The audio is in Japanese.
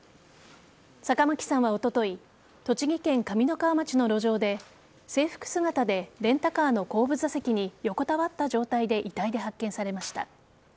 坂巻さんはおととい栃木県上三川町の路上で制服姿でレンタカーの後部座席に横たわった状態で遺体で発見されました。